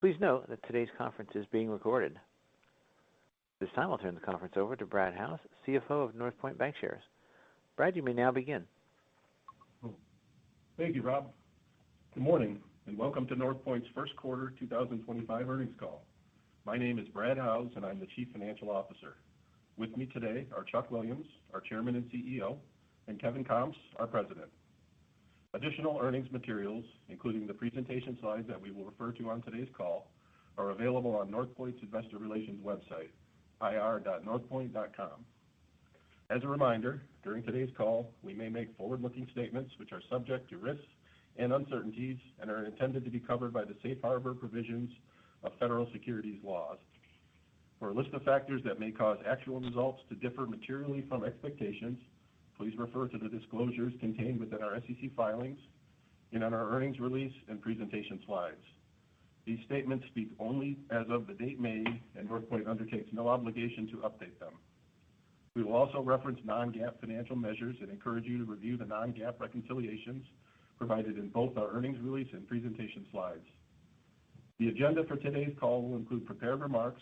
Please note that today's conference is being recorded. At this time, I'll turn the conference over to Brad Howes, CFO of Northpointe Bancshares. Brad, you may now begin. Thank you, Rob. Good morning and welcome to Northpointe's first quarter 2025 earnings call. My name is Brad Howes and I'm the Chief Financial Officer. With me today are Chuck Williams, our Chairman and CEO, and Kevin Comps, our President. Additional earnings materials, including the presentation slides that we will refer to on today's call, are available on Northpointe's Investor Relations website, ir.northpointe.com. As a reminder, during today's call, we may make forward-looking statements which are subject to risks and uncertainties and are intended to be covered by the safe harbor provisions of federal securities laws. For a list of factors that may cause actual results to differ materially from expectations, please refer to the disclosures contained within our SEC filings and on our earnings release and presentation slides. These statements speak only as of the date made and Northpointe undertakes no obligation to update them. We will also reference non-GAAP financial measures and encourage you to review the non-GAAP reconciliations provided in both our earnings release and presentation slides. The agenda for today's call will include prepared remarks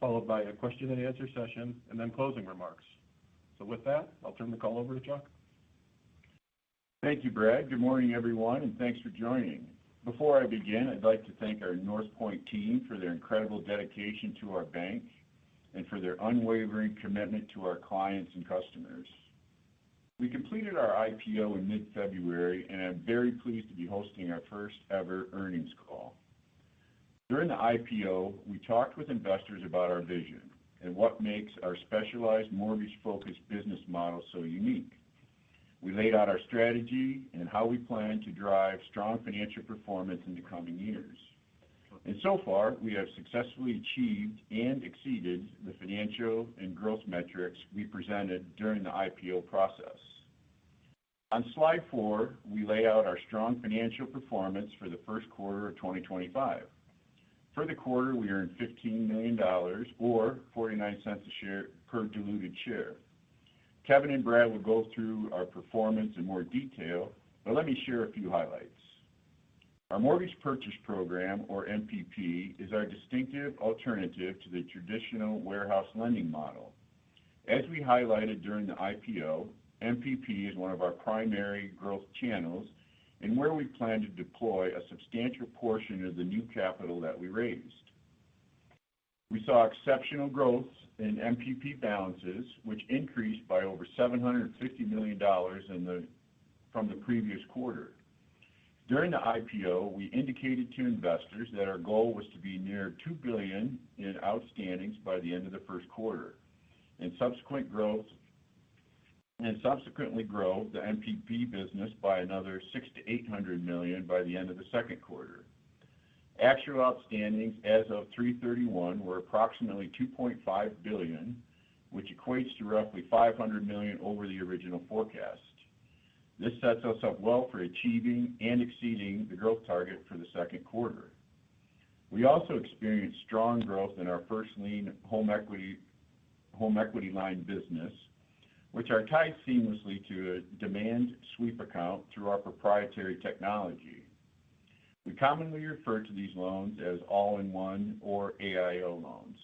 followed by a question-and-answer session and then closing remarks. With that, I'll turn the call over to Chuck. Thank you, Brad. Good morning, everyone, and thanks for joining. Before I begin, I'd like to thank our Northpointe team for their incredible dedication to our bank and for their unwavering commitment to our clients and customers. We completed our IPO in mid-February and I'm very pleased to be hosting our first-ever earnings call. During the IPO, we talked with investors about our vision and what makes our specialized mortgage-focused business model so unique. We laid out our strategy and how we plan to drive strong financial performance in the coming years. So far, we have successfully achieved and exceeded the financial and growth metrics we presented during the IPO process. On slide four, we lay out our strong financial performance for the first quarter of 2025. For the quarter, we earned $15 million or $0.49 per diluted share. Kevin and Brad will go through our performance in more detail, but let me share a few highlights. Our Mortgage Purchase Program, or MPP, is our distinctive alternative to the traditional warehouse lending model. As we highlighted during the IPO, MPP is one of our primary growth channels and where we plan to deploy a substantial portion of the new capital that we raised. We saw exceptional growth in MPP balances, which increased by over $750 million from the previous quarter. During the IPO, we indicated to investors that our goal was to be near $2 billion in outstandings by the end of the first quarter and subsequently grow the MPP business by another $600-$800 million by the end of the second quarter. Actual outstandings as of 3/31 were approximately $2.5 billion, which equates to roughly $500 million over the original forecast. This sets us up well for achieving and exceeding the growth target for the second quarter. We also experienced strong growth in our first-line home equity line business, which are tied seamlessly to a demand sweep account through our proprietary technology. We commonly refer to these loans as All-in-One or AIO loans.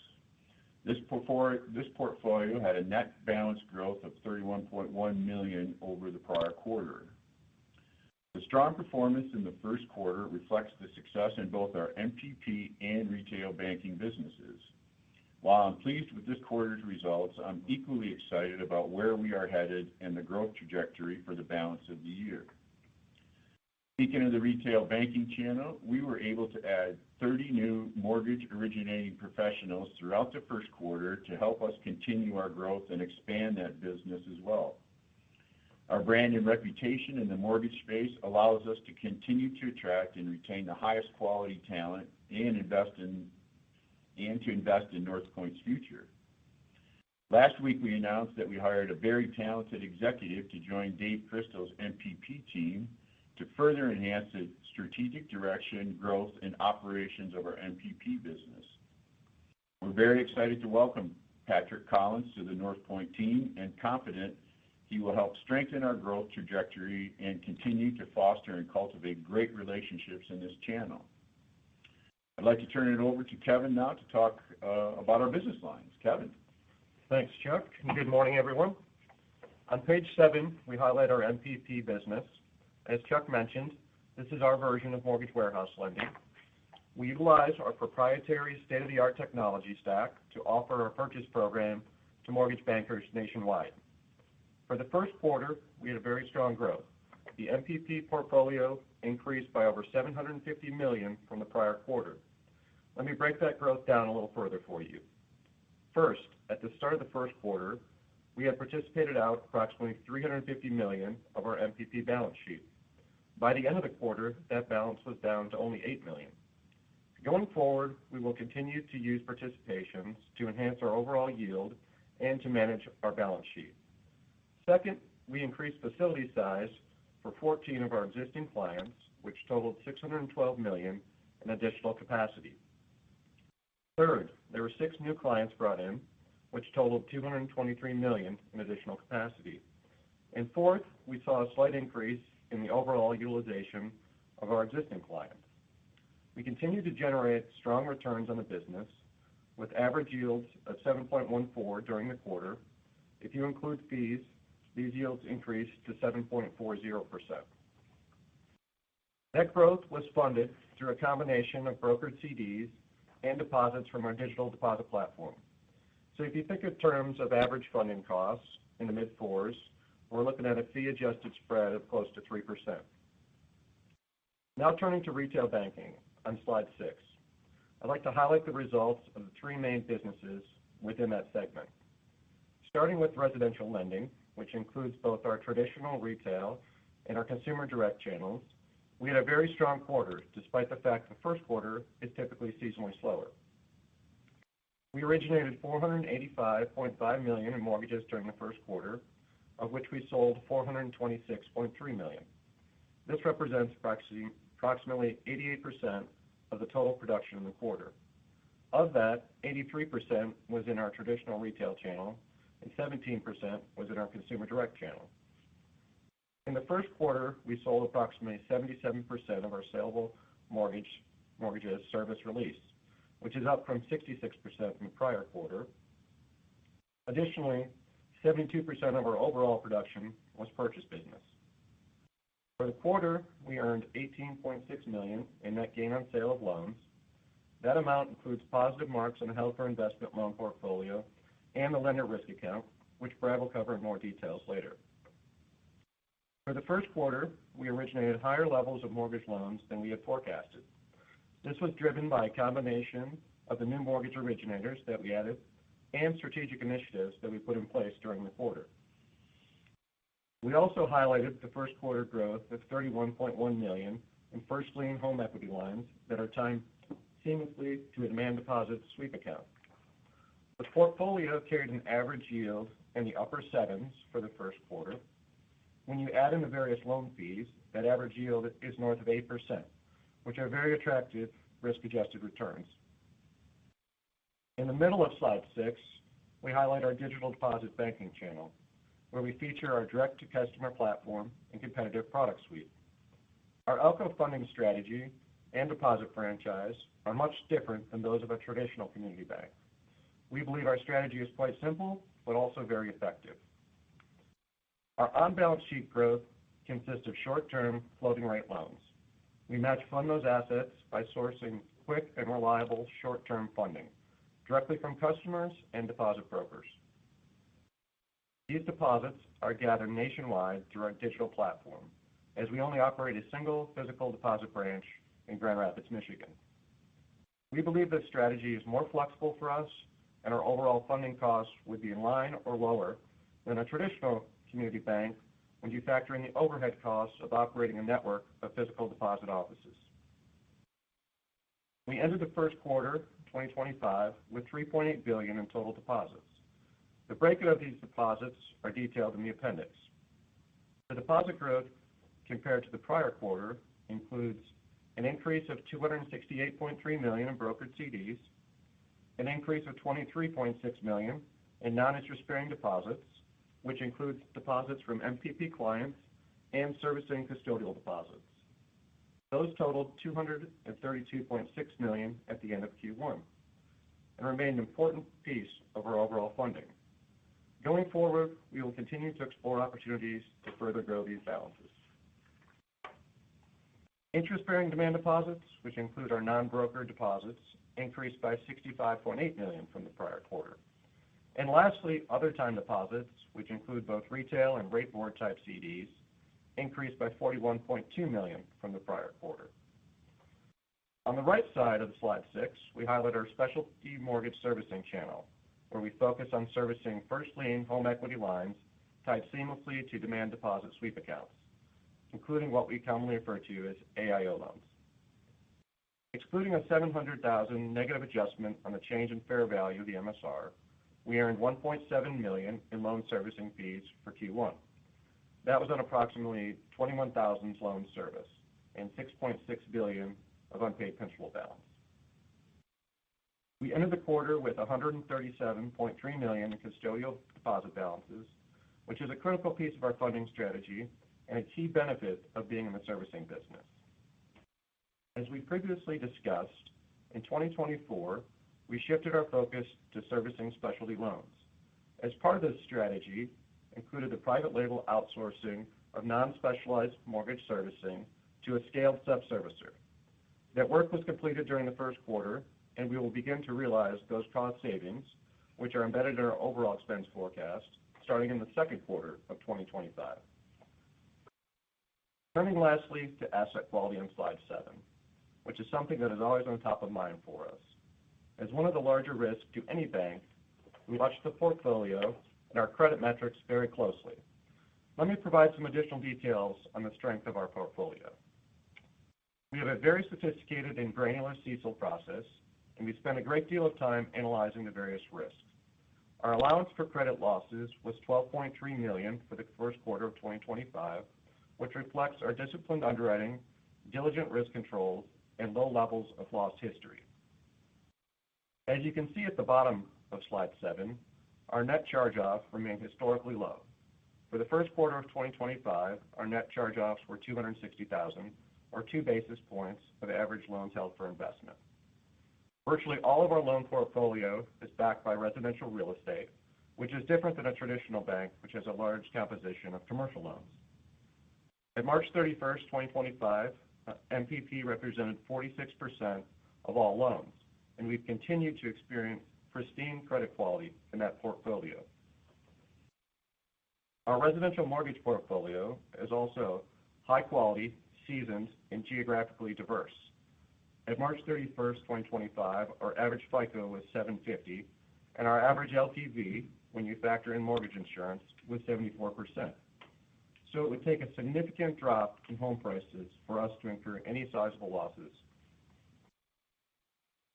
This portfolio had a net balance growth of $31.1 million over the prior quarter. The strong performance in the first quarter reflects the success in both our MPP and retail banking businesses. While I'm pleased with this quarter's results, I'm equally excited about where we are headed and the growth trajectory for the balance of the year. Speaking of the retail banking channel, we were able to add 30 new mortgage-originating professionals throughout the first quarter to help us continue our growth and expand that business as well. Our brand and reputation in the mortgage space allows us to continue to attract and retain the highest quality talent and to invest in Northpointe's future. Last week, we announced that we hired a very talented executive to join David Christel's MPP team to further enhance the strategic direction, growth, and operations of our MPP business. We're very excited to welcome Patrick Collins to the Northpointe team and confident he will help strengthen our growth trajectory and continue to foster and cultivate great relationships in this channel. I'd like to turn it over to Kevin now to talk about our business lines. Kevin. Thanks, Chuck. Good morning, everyone. On page seven, we highlight our MPP business. As Chuck mentioned, this is our version of mortgage warehouse lending. We utilize our proprietary state-of-the-art technology stack to offer our purchase program to mortgage bankers nationwide. For the first quarter, we had very strong growth. The MPP portfolio increased by over $750 million from the prior quarter. Let me break that growth down a little further for you. First, at the start of the first quarter, we had participated out approximately $350 million of our MPP balance sheet. By the end of the quarter, that balance was down to only $8 million. Going forward, we will continue to use participations to enhance our overall yield and to manage our balance sheet. Second, we increased facility size for 14 of our existing clients, which totaled $612 million in additional capacity. Third, there were six new clients brought in, which totaled $223 million in additional capacity. Fourth, we saw a slight increase in the overall utilization of our existing clients. We continue to generate strong returns on the business with average yields of 7.14% during the quarter. If you include fees, these yields increased to 7.40%. That growth was funded through a combination of brokered CDs and deposits from our digital deposit platform. If you think in terms of average funding costs in the mid-fours, we're looking at a fee-adjusted spread of close to 3%. Now turning to retail banking on slide six, I'd like to highlight the results of the three main businesses within that segment. Starting with residential lending, which includes both our traditional retail and our consumer direct channels, we had a very strong quarter despite the fact the first quarter is typically seasonally slower. We originated $485.5 million in mortgages during the first quarter, of which we sold $426.3 million. This represents approximately 88% of the total production in the quarter. Of that, 83% was in our traditional retail channel and 17% was in our consumer direct channel. In the first quarter, we sold approximately 77% of our saleable mortgage servicing release, which is up from 66% from the prior quarter. Additionally, 72% of our overall production was purchase business. For the quarter, we earned $18.6 million in net gain on sale of loans. That amount includes positive marks on the Healthcare Investment Loan portfolio and the Lender Risk Account, which Brad will cover in more detail later. For the first quarter, we originated higher levels of mortgage loans than we had forecasted. This was driven by a combination of the new mortgage originators that we added and strategic initiatives that we put in place during the quarter. We also highlighted the first quarter growth of $31.1 million in first-lien home equity lines that are tied seamlessly to a demand deposit sweep account. The portfolio carried an average yield in the upper sevens for the first quarter. When you add in the various loan fees, that average yield is north of 8%, which are very attractive risk-adjusted returns. In the middle of slide six, we highlight our digital deposit banking channel, where we feature our direct-to-customer platform and competitive product suite. Our ALCO funding strategy and deposit franchise are much different than those of a traditional community bank. We believe our strategy is quite simple, but also very effective. Our on-balance sheet growth consists of short-term floating-rate loans. We match fund those assets by sourcing quick and reliable short-term funding directly from customers and deposit brokers. These deposits are gathered nationwide through our digital platform, as we only operate a single physical deposit branch in Grand Rapids, Michigan. We believe this strategy is more flexible for us and our overall funding costs would be in line or lower than a traditional community bank when you factor in the overhead costs of operating a network of physical deposit offices. We entered the first quarter 2025 with $3.8 billion in total deposits. The breakdown of these deposits is detailed in the appendix. The deposit growth compared to the prior quarter includes an increase of $268.3 million in brokered CDs, an increase of $23.6 million in non-interest-bearing deposits, which includes deposits from MPP clients and servicing custodial deposits. Those totaled $232.6 million at the end of Q1 and remained an important piece of our overall funding. Going forward, we will continue to explore opportunities to further grow these balances. Interest-bearing demand deposits, which include our non-brokered deposits, increased by $65.8 million from the prior quarter. Lastly, other time deposits, which include both retail and rate board type CDs, increased by $41.2 million from the prior quarter. On the right side of slide six, we highlight our specialty mortgage servicing channel, where we focus on servicing first-lien home equity lines tied seamlessly to demand deposit sweep accounts, including what we commonly refer to as AIO loans. Excluding a $700,000 negative adjustment on the change in fair value of the MSR, we earned $1.7 million in loan servicing fees for Q1. That was on approximately 21,000 loans serviced and $6.6 billion of unpaid principal balance. We entered the quarter with $137.3 million in custodial deposit balances, which is a critical piece of our funding strategy and a key benefit of being in the servicing business. As we previously discussed, in 2024, we shifted our focus to servicing specialty loans. As part of this strategy included the private label outsourcing of non-specialized mortgage servicing to a scaled sub-servicer. That work was completed during the first quarter, and we will begin to realize those cost savings, which are embedded in our overall expense forecast, starting in the second quarter of 2025. Turning lastly to asset quality on slide seven, which is something that is always on top of mind for us. As one of the larger risks to any bank, we watch the portfolio and our credit metrics very closely. Let me provide some additional details on the strength of our portfolio. We have a very sophisticated and granular CECL process, and we spend a great deal of time analyzing the various risks. Our allowance for credit losses was $12.3 million for the first quarter of 2025, which reflects our disciplined underwriting, diligent risk controls, and low levels of loss history. As you can see at the bottom of slide seven, our net charge-off remained historically low. For the first quarter of 2025, our net charge-offs were $260,000, or two basis points of average loans held for investment. Virtually all of our loan portfolio is backed by residential real estate, which is different than a traditional bank, which has a large composition of commercial loans. At March 31st, 2025, MPP represented 46% of all loans, and we've continued to experience pristine credit quality in that portfolio. Our residential mortgage portfolio is also high quality, seasoned, and geographically diverse. At March 31, 2025, our average FICO was 750, and our average LTV, when you factor in mortgage insurance, was 74%. It would take a significant drop in home prices for us to incur any sizable losses.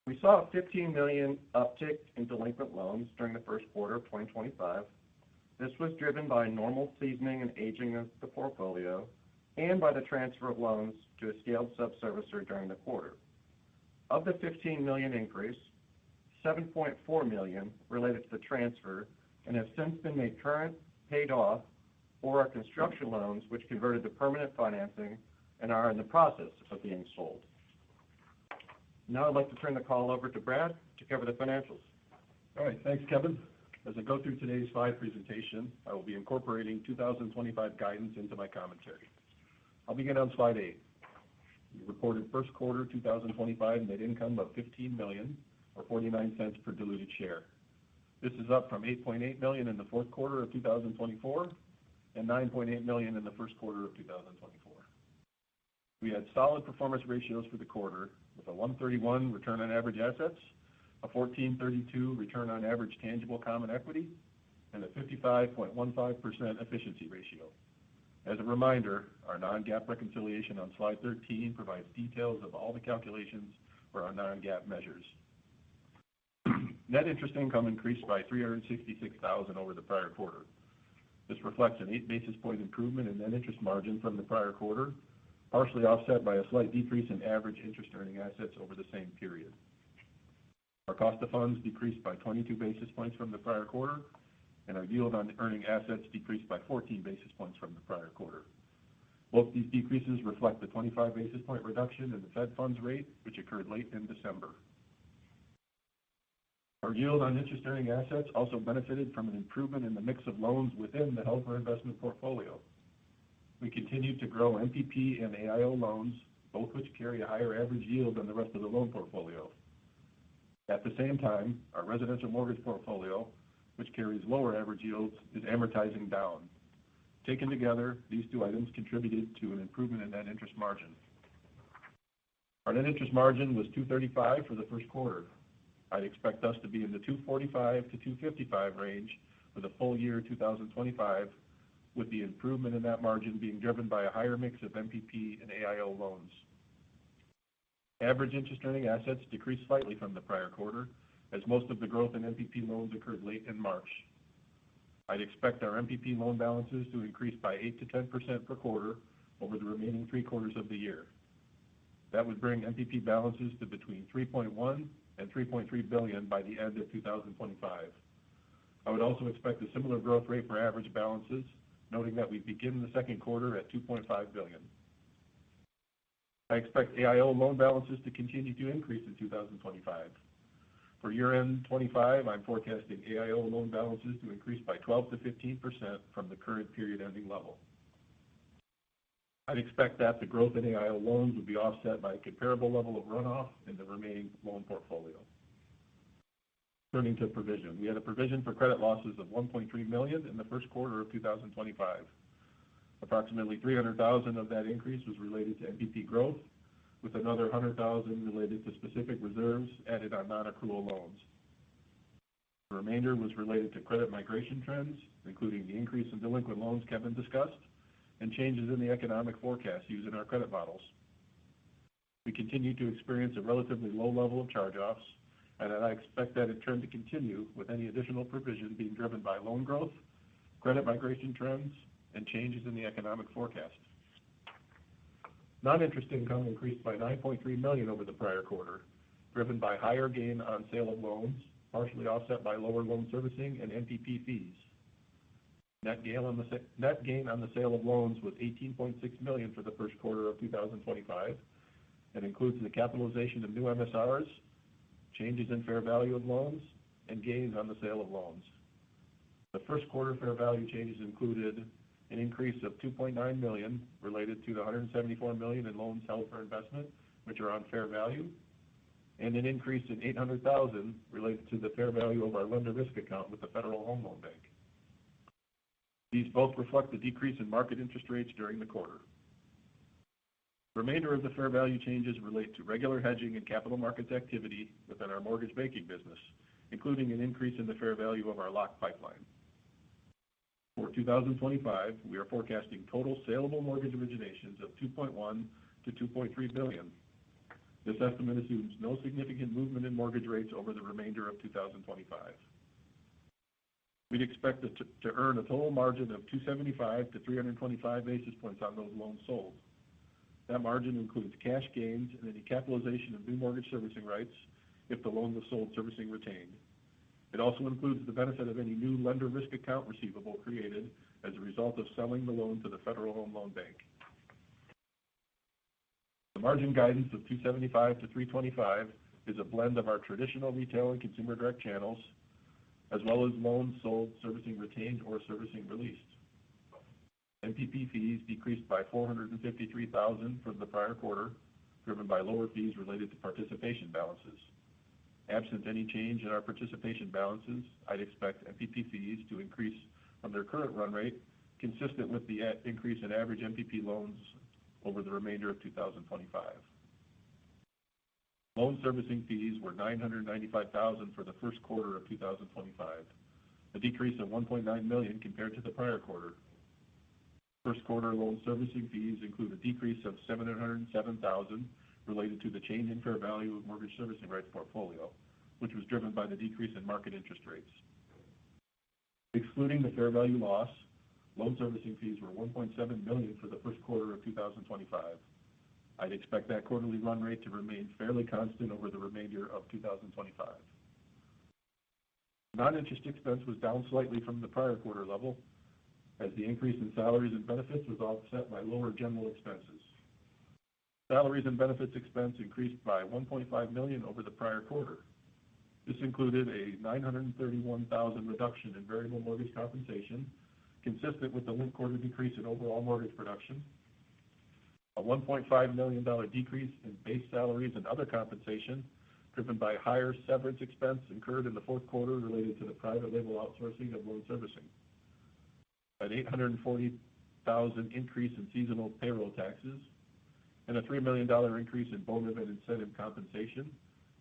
We saw a $15 million uptick in delinquent loans during the first quarter of 2025. This was driven by normal seasoning and aging of the portfolio and by the transfer of loans to a scaled sub-servicer during the quarter. Of the $15 million increase, $7.4 million related to the transfer and have since been made current, paid off, or are construction loans, which converted to permanent financing and are in the process of being sold. Now I'd like to turn the call over to Brad to cover the financials. All right. Thanks, Kevin. As I go through today's slide presentation, I will be incorporating 2025 guidance into my commentary. I'll begin on slide eight. We reported first quarter 2025 net income of $15 million, or $0.49 per diluted share. This is up from $8.8 million in the fourth quarter of 2024 and $9.8 million in the first quarter of 2024. We had solid performance ratios for the quarter with a 1.31% return on average assets, a 14.32% return on average tangible common equity, and a 55.15% efficiency ratio. As a reminder, our non-GAAP reconciliation on slide 13 provides details of all the calculations for our non-GAAP measures. Net interest income increased by $366,000 over the prior quarter. This reflects an eight basis point improvement in net interest margin from the prior quarter, partially offset by a slight decrease in average interest-earning assets over the same period. Our cost of funds decreased by 22 basis points from the prior quarter, and our yield on earning assets decreased by 14 basis points from the prior quarter. Both these decreases reflect the 25 basis point reduction in the Fed funds rate, which occurred late in December. Our yield on interest-earning assets also benefited from an improvement in the mix of loans within the Healthcare Investment Portfolio. We continued to grow MPP and AIO loans, both which carry a higher average yield than the rest of the loan portfolio. At the same time, our residential mortgage portfolio, which carries lower average yields, is amortizing down. Taken together, these two items contributed to an improvement in net interest margin. Our net interest margin was $235 for the first quarter. I expect us to be in the $245-$255 range for the full year 2025, with the improvement in that margin being driven by a higher mix of MPP and AIO loans. Average interest-earning assets decreased slightly from the prior quarter, as most of the growth in MPP loans occurred late in March. I'd expect our MPP loan balances to increase by 8-10% per quarter over the remaining three quarters of the year. That would bring MPP balances to between $3.1 billion and $3.3 billion by the end of 2025. I would also expect a similar growth rate for average balances, noting that we begin the second quarter at $2.5 billion. I expect AIO loan balances to continue to increase in 2025. For year-end 2025, I'm forecasting AIO loan balances to increase by 12-15% from the current period-ending level. I'd expect that the growth in AIO loans would be offset by a comparable level of runoff in the remaining loan portfolio. Turning to provision, we had a provision for credit losses of $1.3 million in the first quarter of 2025. Approximately $300,000 of that increase was related to MPP growth, with another $100,000 related to specific reserves added on non-accrual loans. The remainder was related to credit migration trends, including the increase in delinquent loans Kevin discussed and changes in the economic forecast using our credit models. We continue to experience a relatively low level of charge-offs, and I expect that to continue with any additional provision being driven by loan growth, credit migration trends, and changes in the economic forecast. Non-interest income increased by $9.3 million over the prior quarter, driven by higher gain on sale of loans, partially offset by lower loan servicing and MPP fees. Net gain on the sale of loans was $18.6 million for the first quarter of 2025 and includes the capitalization of new MSRs, changes in fair value of loans, and gains on the sale of loans. The first quarter fair value changes included an increase of $2.9 million related to the $174 million in loans held for investment, which are on fair value, and an increase in $800,000 related to the fair value of our lender risk account with the Federal Home Loan Bank. These both reflect the decrease in market interest rates during the quarter. The remainder of the fair value changes relate to regular hedging and capital markets activity within our mortgage banking business, including an increase in the fair value of our lock pipeline. For 2025, we are forecasting total saleable mortgage originations of $2.1 billion-$2.3 billion. This estimate assumes no significant movement in mortgage rates over the remainder of 2025. We'd expect to earn a total margin of 275-325 basis points on those loans sold. That margin includes cash gains and any capitalization of new mortgage servicing rights if the loans are sold servicing retained. It also includes the benefit of any new lender risk account receivable created as a result of selling the loan to the Federal Home Loan Bank. The margin guidance of 275-325 is a blend of our traditional retail and consumer direct channels, as well as loans sold servicing retained or servicing released. MPP fees decreased by $453,000 from the prior quarter, driven by lower fees related to participation balances. Absent any change in our participation balances, I'd expect MPP fees to increase from their current run rate, consistent with the increase in average MPP loans over the remainder of 2025. Loan servicing fees were $995,000 for the first quarter of 2025, a decrease of $1.9 million compared to the prior quarter. First quarter loan servicing fees include a decrease of $707,000 related to the change in fair value of mortgage servicing rights portfolio, which was driven by the decrease in market interest rates. Excluding the fair value loss, loan servicing fees were $1.7 million for the first quarter of 2025. I'd expect that quarterly run rate to remain fairly constant over the remainder of 2025. Non-interest expense was down slightly from the prior quarter level, as the increase in salaries and benefits was offset by lower general expenses. Salaries and benefits expense increased by $1.5 million over the prior quarter. This included a $931,000 reduction in variable mortgage compensation, consistent with the linked quarter decrease in overall mortgage production. A $1.5 million decrease in base salaries and other compensation, driven by higher severance expense incurred in the fourth quarter related to the private label outsourcing of loan servicing. An $840,000 increase in seasonal payroll taxes, and a $3 million increase in bonus and incentive compensation,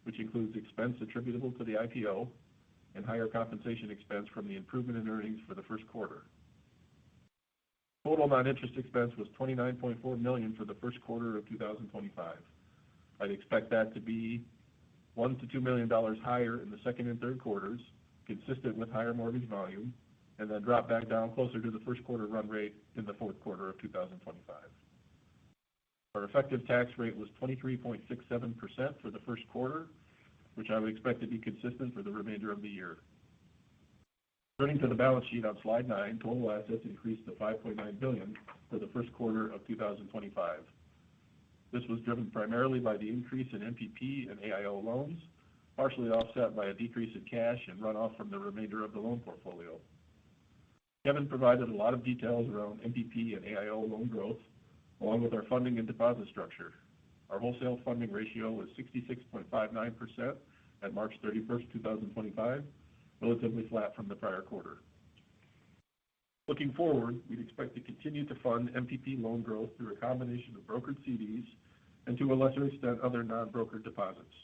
which includes expense attributable to the IPO and higher compensation expense from the improvement in earnings for the first quarter. Total non-interest expense was $29.4 million for the first quarter of 2025. I'd expect that to be $1-2 million higher in the second and third quarters, consistent with higher mortgage volume, and then drop back down closer to the first quarter run rate in the fourth quarter of 2025. Our effective tax rate was 23.67% for the first quarter, which I would expect to be consistent for the remainder of the year. Turning to the balance sheet on slide nine, total assets increased to $5.9 billion for the first quarter of 2025. This was driven primarily by the increase in MPP and AIO loans, partially offset by a decrease in cash and runoff from the remainder of the loan portfolio. Kevin provided a lot of details around MPP and AIO loan growth, along with our funding and deposit structure. Our wholesale funding ratio was 66.59% at March 31, 2025, relatively flat from the prior quarter. Looking forward, we'd expect to continue to fund MPP loan growth through a combination of brokered CDs and, to a lesser extent, other non-brokered deposits.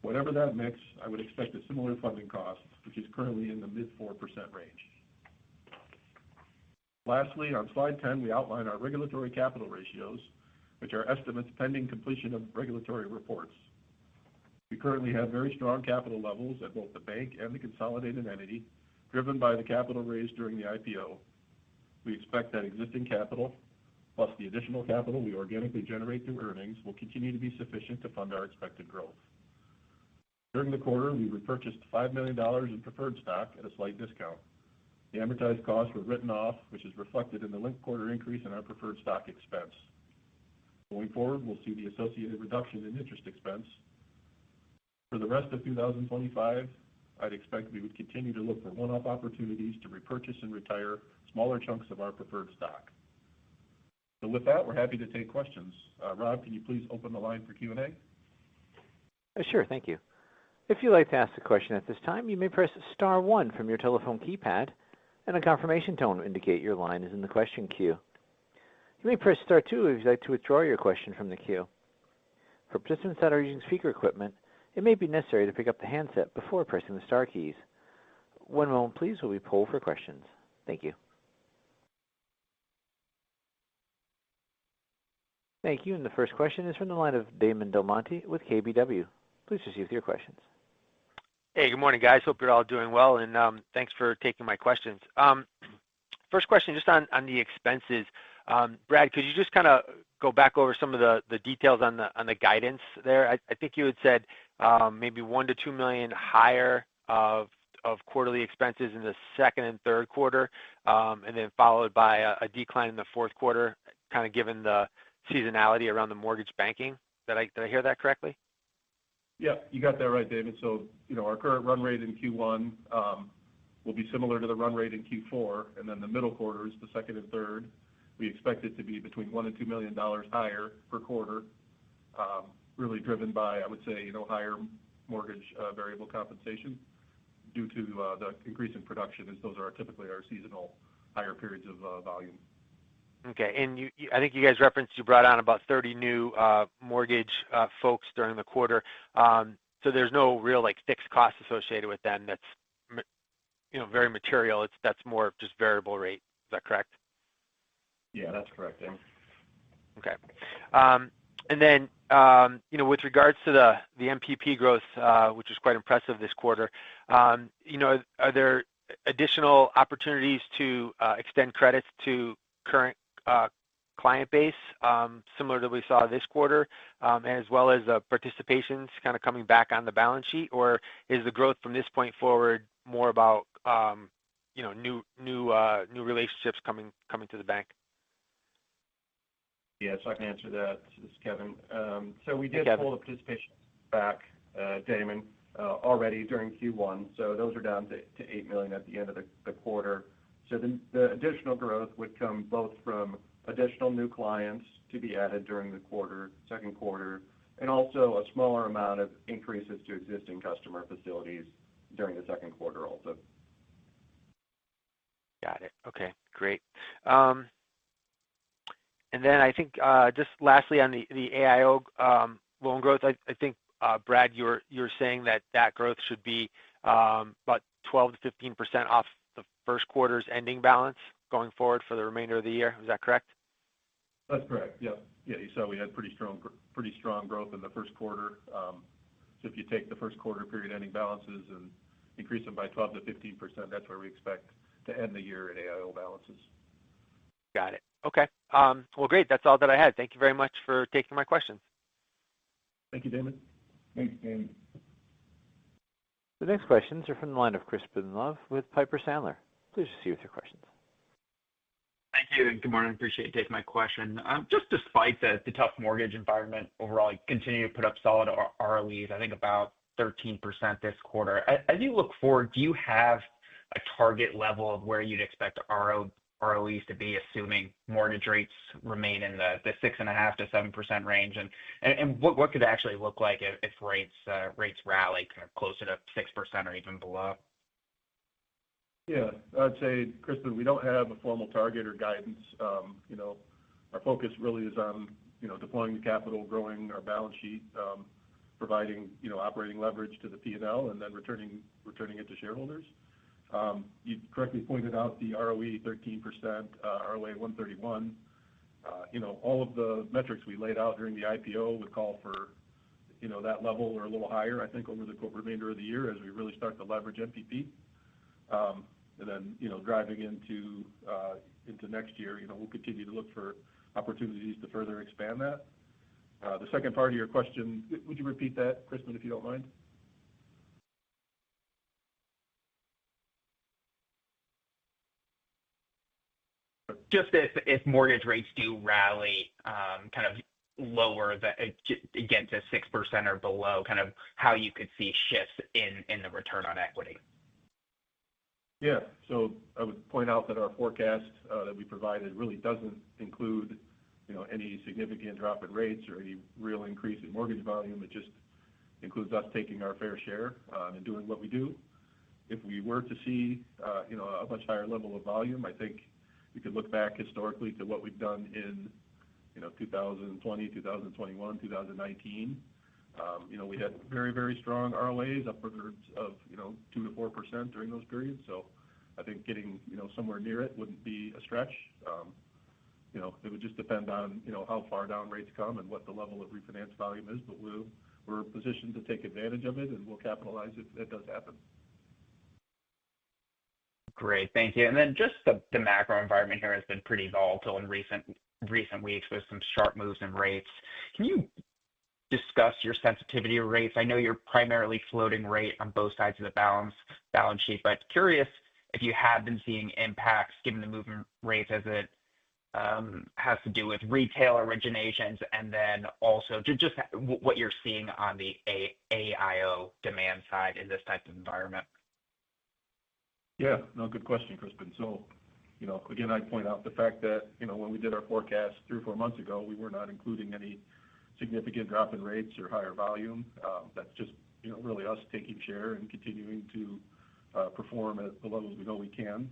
Whatever that mix, I would expect a similar funding cost, which is currently in the mid-4% range. Lastly, on slide 10, we outline our regulatory capital ratios, which are estimates pending completion of regulatory reports. We currently have very strong capital levels at both the bank and the consolidated entity, driven by the capital raised during the IPO. We expect that existing capital, plus the additional capital we organically generate through earnings, will continue to be sufficient to fund our expected growth. During the quarter, we repurchased $5 million in preferred stock at a slight discount. The amortized costs were written off, which is reflected in the linked quarter increase in our preferred stock expense. Going forward, we'll see the associated reduction in interest expense. For the rest of 2025, I'd expect we would continue to look for one-off opportunities to repurchase and retire smaller chunks of our preferred stock. With that, we're happy to take questions. Rob, can you please open the line for Q&A? Sure, thank you. If you'd like to ask a question at this time, you may press Star 1 from your telephone keypad, and a confirmation tone will indicate your line is in the question queue. You may press Star 2 if you'd like to withdraw your question from the queue. For participants that are using speaker equipment, it may be necessary to pick up the handset before pressing the Star keys. One moment, please, while we poll for questions. Thank you. Thank you. The first question is from the line of Damon DelMonte with KBW. Please proceed with your questions. Hey, good morning, guys. Hope you're all doing well, and thanks for taking my questions. First question, just on the expenses. Brad, could you just kind of go back over some of the details on the guidance there? I think you had said maybe $1 million to $2 million higher of quarterly expenses in the second and third quarter, and then followed by a decline in the fourth quarter, kind of given the seasonality around the mortgage banking. Did I hear that correctly? Yeah, you got that right, David. Our current run rate in Q1 will be similar to the run rate in Q4, and then the middle quarters, the second and third, we expect it to be between $1 million and $2 million higher per quarter, really driven by, I would say, higher mortgage variable compensation due to the increase in production, as those are typically our seasonal higher periods of volume. Okay. I think you guys referenced you brought on about 30 new mortgage folks during the quarter. There is no real fixed cost associated with them that is very material. That is more of just variable rate. Is that correct? Yeah, that's correct, David. Okay. With regards to the MPP growth, which was quite impressive this quarter, are there additional opportunities to extend credits to current client base, similar to what we saw this quarter, as well as participations kind of coming back on the balance sheet? Is the growth from this point forward more about new relationships coming to the bank? Yeah, I can answer that. This is Kevin. We did pull the participation back, Damon, already during Q1. Those are down to $8 million at the end of the quarter. The additional growth would come both from additional new clients to be added during the quarter, second quarter, and also a smaller amount of increases to existing customer facilities during the second quarter also. Got it. Okay. Great. I think just lastly on the AIO loan growth, I think, Brad, you're saying that that growth should be about 12-15% off the first quarter's ending balance going forward for the remainder of the year. Is that correct? That's correct. Yeah. Yeah, you saw we had pretty strong growth in the first quarter. If you take the first quarter period ending balances and increase them by 12-15%, that's where we expect to end the year in AIO balances. Got it. Okay. Great. That's all that I had. Thank you very much for taking my questions. Thank you, Damon. Thank you, David. The next questions are from the line of Crispin Love with Piper Sandler. Please proceed with your questions. Thank you. Good morning. Appreciate you taking my question. Just despite the tough mortgage environment, overall, continue to put up solid ROEs, I think about 13% this quarter. As you look forward, do you have a target level of where you'd expect ROEs to be, assuming mortgage rates remain in the 6.5-7% range? What could it actually look like if rates rally kind of closer to 6% or even below? Yeah. I'd say, Chris, that we don't have a formal target or guidance. Our focus really is on deploying the capital, growing our balance sheet, providing operating leverage to the P&L, and then returning it to shareholders. You correctly pointed out the ROE 13%, ROA 1.31. All of the metrics we laid out during the IPO would call for that level or a little higher, I think, over the remainder of the year as we really start to leverage MPP. Driving into next year, we'll continue to look for opportunities to further expand that. The second part of your question, would you repeat that, Chris, if you don't mind? Just if mortgage rates do rally kind of lower again to 6% or below, kind of how you could see shifts in the return on equity. Yeah. I would point out that our forecast that we provided really doesn't include any significant drop in rates or any real increase in mortgage volume. It just includes us taking our fair share and doing what we do. If we were to see a much higher level of volume, I think we could look back historically to what we've done in 2020, 2021, 2019. We had very, very strong ROAs upwards of 2-4% during those periods. I think getting somewhere near it wouldn't be a stretch. It would just depend on how far down rates come and what the level of refinanced volume is. We're positioned to take advantage of it, and we'll capitalize if that does happen. Great. Thank you. The macro environment here has been pretty volatile in recent weeks with some sharp moves in rates. Can you discuss your sensitivity to rates? I know you're primarily floating rate on both sides of the balance sheet, but curious if you have been seeing impacts given the movement in rates as it has to do with retail originations and then also just what you're seeing on the AIO demand side in this type of environment. Yeah. No, good question, Chris Brendstrup. Again, I'd point out the fact that when we did our forecast three or four months ago, we were not including any significant drop in rates or higher volume. That's just really us taking share and continuing to perform at the levels we know we can.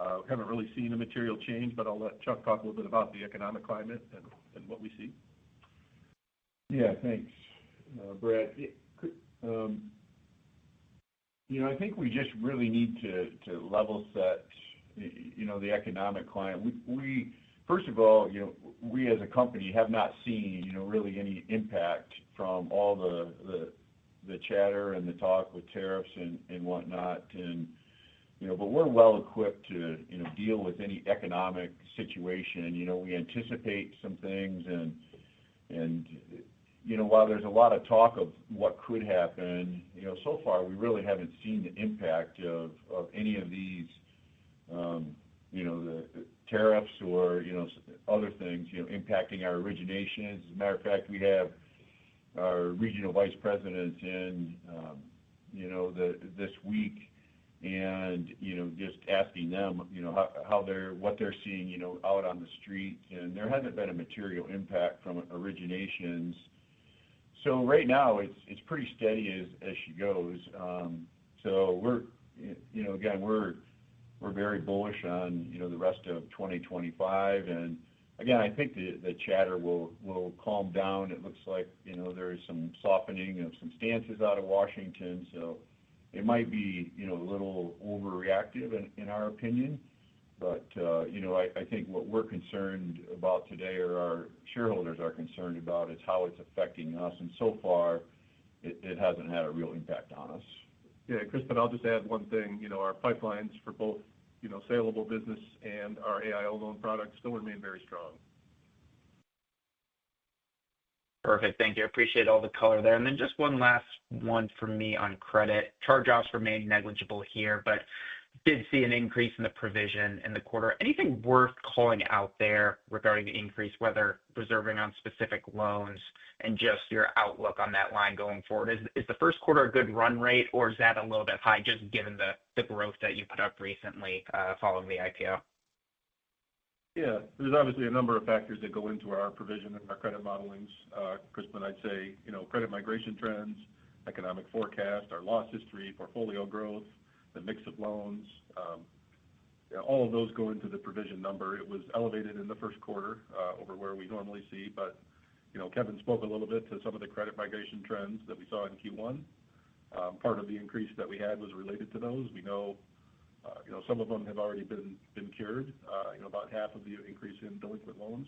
We haven't really seen a material change, but I'll let Chuck talk a little bit about the economic climate and what we see. Yeah, thanks, Brad. I think we just really need to level set the economic climate. First of all, we as a company have not seen really any impact from all the chatter and the talk with tariffs and whatnot. We are well equipped to deal with any economic situation. We anticipate some things. While there is a lot of talk of what could happen, so far, we really have not seen the impact of any of these tariffs or other things impacting our originations. As a matter of fact, we have our regional vice president in this week and just asking them what they are seeing out on the street. There has not been a material impact from originations. Right now, it is pretty steady as she goes. We are very bullish on the rest of 2025. I think the chatter will calm down. It looks like there is some softening of some stances out of Washington. It might be a little overreactive, in our opinion. I think what we're concerned about today or our shareholders are concerned about is how it's affecting us. So far, it hasn't had a real impact on us. Yeah, Chris, but I'll just add one thing. Our pipelines for both saleable business and our AIO loan products still remain very strong. Perfect. Thank you. I appreciate all the color there. Just one last one for me on credit. Charge-offs remain negligible here, but did see an increase in the provision in the quarter. Anything worth calling out there regarding the increase, whether reserving on specific loans and just your outlook on that line going forward? Is the first quarter a good run rate, or is that a little bit high just given the growth that you put up recently following the IPO? Yeah. There's obviously a number of factors that go into our provision and our credit modelings. Chris, I'd say credit migration trends, economic forecast, our loss history, portfolio growth, the mix of loans. All of those go into the provision number. It was elevated in the first quarter over where we normally see. Kevin spoke a little bit to some of the credit migration trends that we saw in Q1. Part of the increase that we had was related to those. We know some of them have already been cured, about half of the increase in delinquent loans.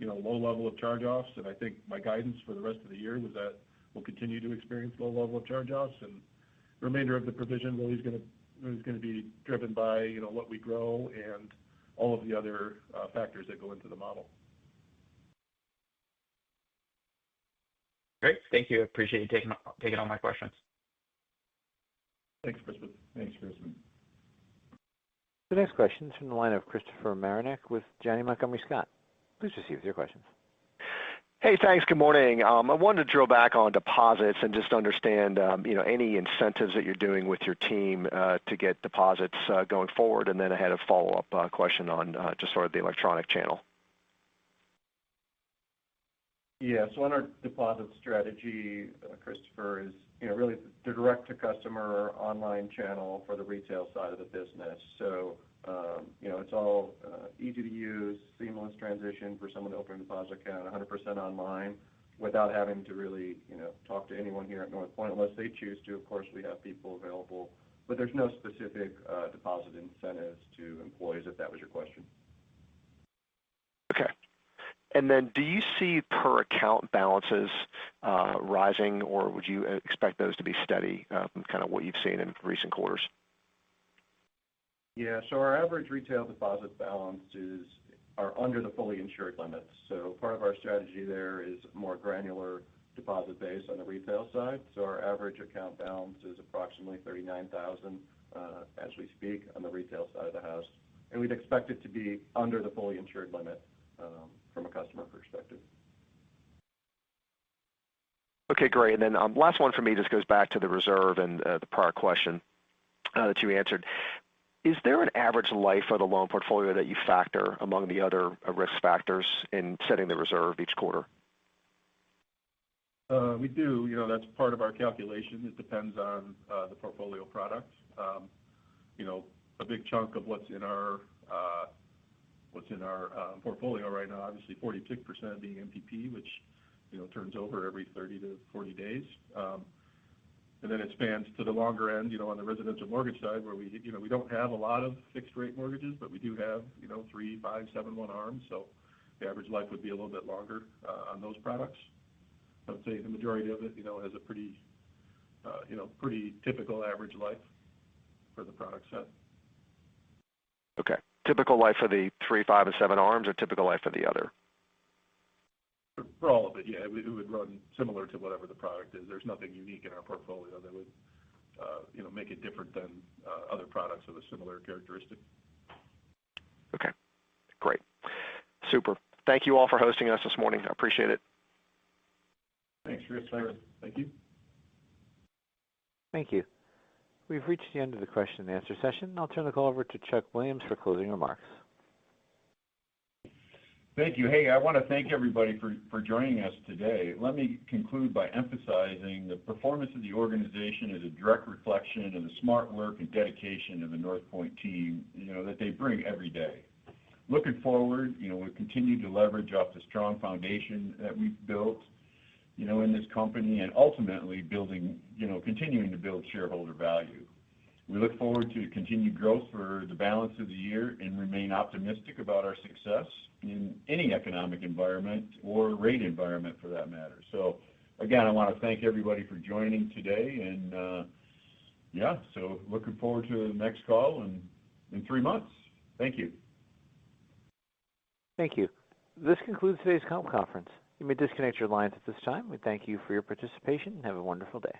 Low level of charge-offs. I think my guidance for the rest of the year was that we'll continue to experience low level of charge-offs. The remainder of the provision really is going to be driven by what we grow and all of the other factors that go into the model. Great. Thank you. Appreciate you taking all my questions. Thanks, Chris Brendstrup. Thanks, Chris Brendstrup. The next question is from the line of Christopher Marinac with Janney Montgomery Scott. Please proceed with your questions. Hey, thanks. Good morning. I wanted to drill back on deposits and just understand any incentives that you're doing with your team to get deposits going forward. I had a follow-up question on just sort of the electronic channel. Yeah. On our deposit strategy, Christopher is really the direct-to-customer online channel for the retail side of the business. It is all easy to use, seamless transition for someone to open a deposit account 100% online without having to really talk to anyone here at Northpointe unless they choose to. Of course, we have people available. There are no specific deposit incentives to employees, if that was your question. Okay. Do you see per-account balances rising, or would you expect those to be steady, kind of what you've seen in recent quarters? Yeah. Our average retail deposit balances are under the fully insured limits. Part of our strategy there is more granular deposit base on the retail side. Our average account balance is approximately $39,000 as we speak on the retail side of the house. We'd expect it to be under the fully insured limit from a customer perspective. Okay. Great. Last one for me just goes back to the reserve and the prior question that you answered. Is there an average life of the loan portfolio that you factor among the other risk factors in setting the reserve each quarter? We do. That's part of our calculation. It depends on the portfolio product. A big chunk of what's in our portfolio right now, obviously, 42% of the MPP, which turns over every 30-40 days. It spans to the longer end on the residential mortgage side, where we don't have a lot of fixed-rate mortgages, but we do have three, five, seven, one-arms. The average life would be a little bit longer on those products. I would say the majority of it has a pretty typical average life for the product set. Okay. Typical life for the three, five, and seven arms or typical life for the other? For all of it, yeah, it would run similar to whatever the product is. There's nothing unique in our portfolio that would make it different than other products of a similar characteristic. Okay. Great. Super. Thank you all for hosting us this morning. I appreciate it. Thanks, Chris. Thank you. Thank you. We've reached the end of the question-and-answer session. I'll turn the call over to Charles Williams for closing remarks. Thank you. Hey, I want to thank everybody for joining us today. Let me conclude by emphasizing the performance of the organization is a direct reflection of the smart work and dedication of the Northpointe team that they bring every day. Looking forward, we'll continue to leverage off the strong foundation that we've built in this company and ultimately continuing to build shareholder value. We look forward to continued growth for the balance of the year and remain optimistic about our success in any economic environment or rate environment for that matter. Again, I want to thank everybody for joining today. Yeah, looking forward to the next call in three months. Thank you. Thank you. This concludes today's conference. You may disconnect your lines at this time. We thank you for your participation and have a wonderful day.